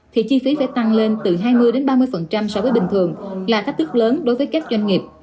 thì chi phí phải tăng lên từ hai mươi ba mươi so với bình thường là thách thức lớn đối với các doanh nghiệp